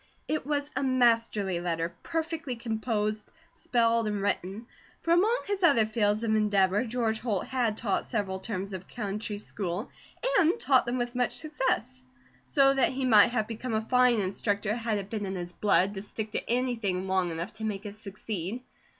It was a masterly letter, perfectly composed, spelled, and written; for among his other fields of endeavour, George Holt had taught several terms of country school, and taught them with much success; so that he might have become a fine instructor, had it been in his blood to stick to anything long enough to make it succeed.